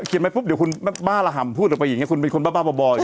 เขียนมันปุ๊บเดี๋ยวคุณบ้าละห่ำพูดออกไปอย่างเงี้ยคุณเป็นคนบ้าบ้าบ่อบ่ออยู่